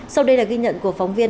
sau đây là ghi nhận của phóng viên